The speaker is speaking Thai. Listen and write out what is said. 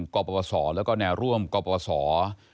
กบประสอบและแนวร่วมกบประสอบ